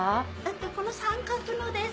この三角のです。